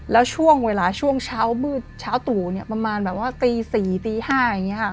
แล้วช่วงเวลาช่วงเช้าตู่ประมาณว่าตี๔๕อย่างนี้ค่ะ